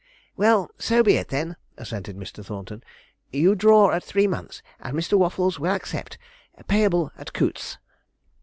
'Well, so be it, then,' assented Mr. Thornton; 'you draw at three months, and Mr. Waffles will accept, payable at Coutts's.'